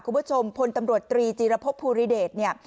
คุณผู้ชมพลตำรวจตรีจีรพพภูริเดชน์